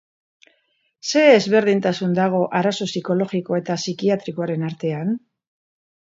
Zer ezberdintasun dago arazo psikologiko eta psikiatrikoaren artean?